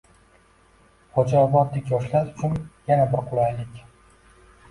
Xo‘jaobodlik yoshlar uchun yana bir qulaylikng